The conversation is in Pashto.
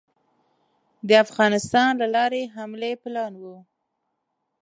د افغانستان له لارې حملې پلان وو.